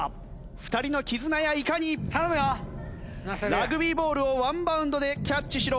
ラグビーボールをワンバウンドでキャッチしろ。